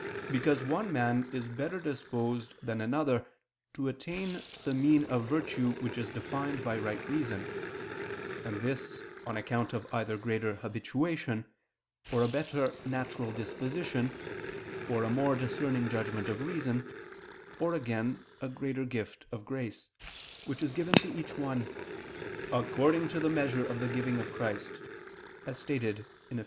Because one man is better disposed than another to attain to the mean of virtue which is defined by right reason; and this, on account of either greater habituation, or a better natural disposition, or a more discerning judgment of reason, or again a greater gift of grace, which is given to each one "according to the measure of the giving of Christ," as stated in Eph.